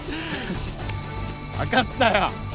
分かったよ。